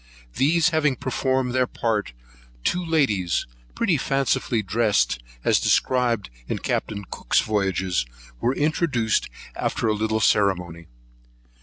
These having performed their part, two ladies, pretty fancifully dressed, as described in Captain Cook's Voyages, were introduced after a little ceremony.